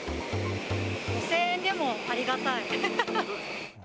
５０００円でもありがたい。